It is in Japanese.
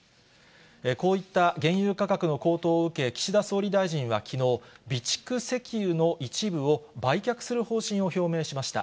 こういった原油価格の高騰を受け、岸田総理大臣はきのう、備蓄石油の一部を売却する方針を表明しました。